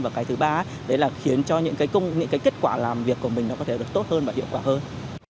và cái thứ ba đấy là khiến cho những cái kết quả làm việc của mình nó có thể được tốt hơn và hiệu quả hơn